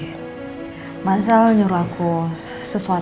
kita jalan jalan ya